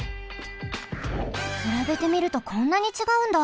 くらべてみるとこんなにちがうんだ。